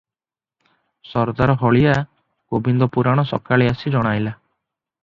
ସରଦାର ହଳିଆ ଗୋବିନ୍ଦ ପୁରାଣ ସକାଳେ ଆସି ଜଣାଇଲା